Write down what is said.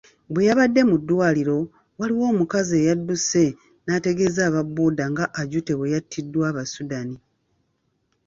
Bwe yabadde mu ddwaliro, waliwo omukazi eyadduse n'ategeeza aba Bbooda nga Ajute bwe y'attiddwa Abasudani.